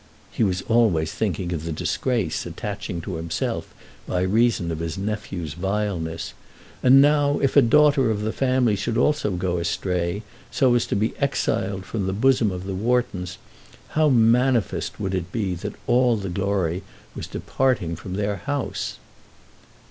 He was always thinking of the disgrace attaching to himself by reason of his nephew's vileness, and now, if a daughter of the family should also go astray, so as to be exiled from the bosom of the Whartons, how manifest would it be that all the glory was departing from their house!